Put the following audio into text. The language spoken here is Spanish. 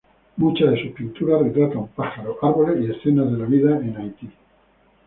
Muchas de sus pinturas retratan pájaros, árboles y escenas de la vida en Haití.